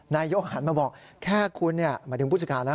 นายยกหันมาบอกแค่คุณหมายถึงพุธิกาลนะ